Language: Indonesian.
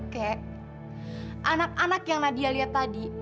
kayak anak anak yang nadia lihat tadi